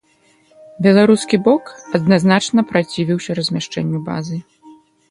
Беларускі бок адназначна працівіўся размяшчэнню базы.